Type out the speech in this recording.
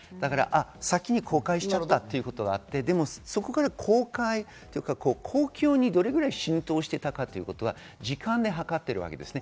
先に公開しちゃったということがあって、でもそこから公共にどれぐらい浸透していたかということは時間で計っています。